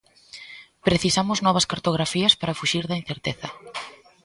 Precisamos novas cartografías para fuxir da incerteza.